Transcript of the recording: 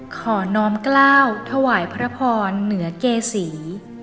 ขอน้อมกล้าวถวายพระพรเหนือเกษี